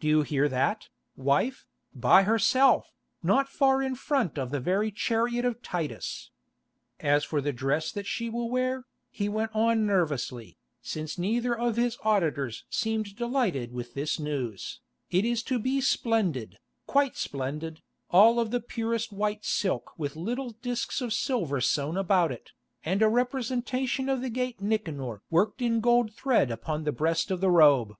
Do you hear that, wife—by herself, not far in front of the very chariot of Titus? As for the dress that she will wear," he went on nervously, since neither of his auditors seemed delighted with this news, "it is to be splendid, quite splendid, all of the purest white silk with little discs of silver sewn about it, and a representation of the Gate Nicanor worked in gold thread upon the breast of the robe."